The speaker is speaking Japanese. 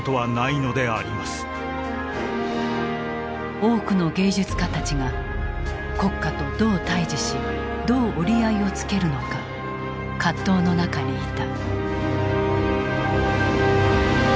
多くの芸術家たちが国家とどう対峙しどう折り合いをつけるのか葛藤の中にいた。